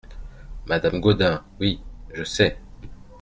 Madame Gaudin Oui ! je sais …